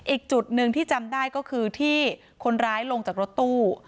อีกจุดหนึ่งที่จำได้ก็คือที่คนร้ายลงจากรถตู้